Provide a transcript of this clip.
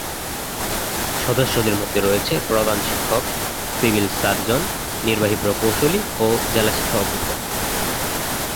সদস্যদের মধ্যে রয়েছেন প্রধান শিক্ষক, সিভিল সার্জন, নির্বাহী প্রকৌশলী ও জেলা শিক্ষা অফিসার।